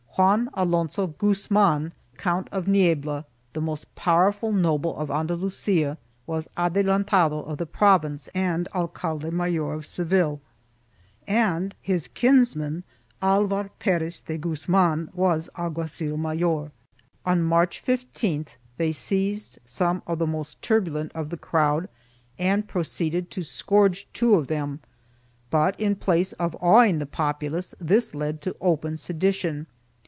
Juan Alonso Guzman, Count of Niebla, the most powerful noble of Andalusia, was adelantado of the province and alcalde mayor of Seville and his kinsman, Alvar Perez de Guzman, was alguazil mayor. On March 15th they seized some of the most turbulent of the crowd and proceeded to scourge two of them but, in place of awing the populace, this led to open sedition.